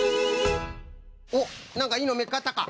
おっなんかいいのみつかったか？